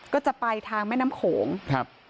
ก็จะไปทางแม่น้ำโขงครับ